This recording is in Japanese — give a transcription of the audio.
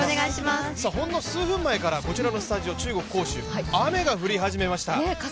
ほんの数分前からこちらのスタジオ、中国・杭州雨が降り始めました。